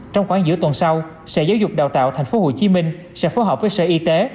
trong khoảng giữa tuần sau sở giáo dục đào tạo tp hcm sẽ phối hợp với sở y tế